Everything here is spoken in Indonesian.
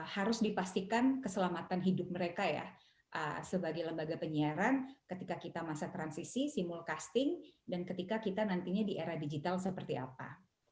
harus dipastikan keselamatan hidup mereka ya sebagai lembaga penyiaran ketika kita masa transisi simulcasting dan ketika kita nantinya di era digital seperti apa